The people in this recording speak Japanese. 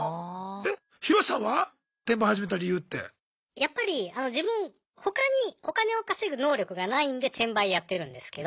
やっぱり自分他にお金を稼ぐ能力がないんで転売やってるんですけど。